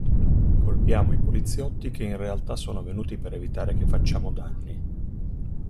Colpiamo i poliziotti che in realtà sono venuti per evitare che facciamo danni.